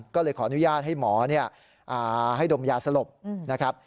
ก็เลยขออนุญาตให้หมอให้ดมยาสลบนะครับ